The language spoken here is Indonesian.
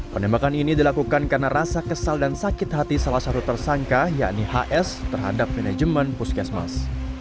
penembakan ini dilakukan karena rasa kesal dan sakit hati salah satu tersangka yakni hs terhadap manajemen puskesmas